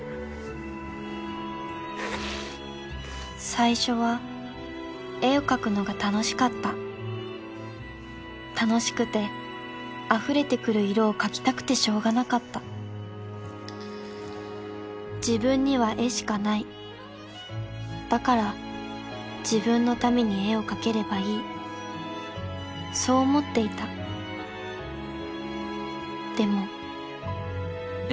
最初は絵を描くのが楽しかった楽しくてあふれてくる色を描きたくてしょうがなかった自分には絵しかないだから自分のために絵を描ければいいそう思っていたでもえ